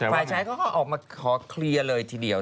ฝ่ายชายเขาก็ออกมาขอเคลียร์เลยทีเดียว